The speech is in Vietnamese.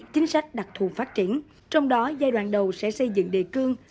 chính sách đặc thù phát triển trong đó giai đoạn đầu sẽ xây dựng đề cương